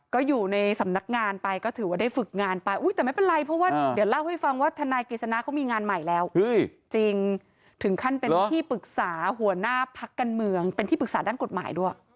ก็อยู่ในสำนักงานไปก็ถือว่าได้ฝึกงานไปแต่ไม่เป็นไรเพราะว่าเดี๋ยวเล่าให้ฟังว่าทนายกฤษณะเขามีงานใหม่แล้วจริงถึงขั้นเป็นที่ปรึกษาหัวหน้าพักการเมืองเป็นที่ปรึกษาด้านกฎหมายด้วย